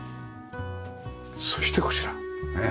そしてこちらねえ。